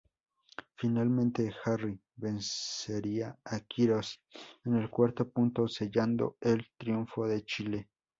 Finalmente Jarry vencería a Quiroz en el cuarto punto sellando el triunfo de Chile.